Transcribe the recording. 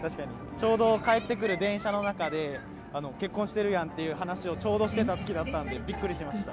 ちょうど帰ってくる電車の中で結婚してるやんっていう話をちょうどしてたときだったんで、びっくりしました。